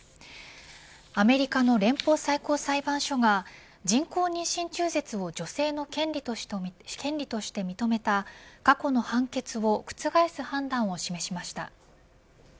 アメリカの連邦最高裁判所が人工妊娠中絶を女性の権利として認めた過去の判決を覆す判断を示しました。